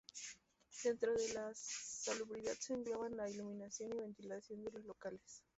Dentro de la salubridad se engloban la iluminación y ventilación de los locales.